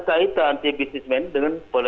kaitan si bisnismen dengan